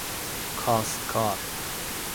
کاستکار